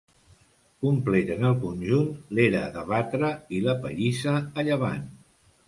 Completen el conjunt l'era de batre i la pallissa, a llevant.